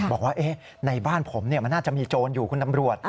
บอกว่าในบ้านผมมันน่าจะมีโจรอยู่คุณตำรวจ